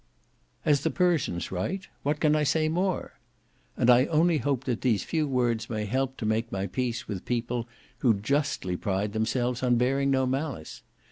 As the Persians write, "What can I say more?" And I only hope these few words may help to make my peace with people who justly pride themselves on bearing no malice.